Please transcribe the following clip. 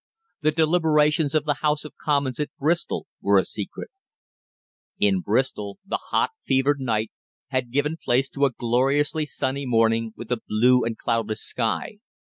The deliberations of the House of Commons at Bristol were a secret. In Bristol the hot, fevered night had given place to a gloriously sunny morning with a blue and cloudless sky.